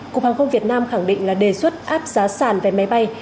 cục hàng không việt nam khẳng định là đề xuất áp giá sàn vé máy bay